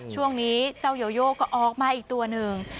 ช่วงนี้เจ้าโยโยก็ออกมาอีกตัวหนึ่ง